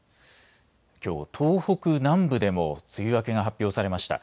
きょう、東北南部でも梅雨明けが発表されました。